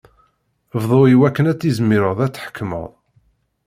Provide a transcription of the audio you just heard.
Bḍu iwakken ad tizmireḍ ad tḥekmeḍ.